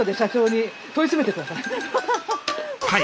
はい。